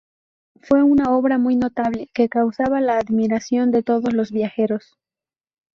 Fue una obra muy notable que causaba la admiración de todos los viajeros.